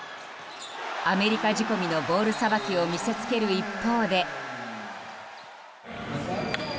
アメリカ仕込みのボールさばきを見せつける一方で。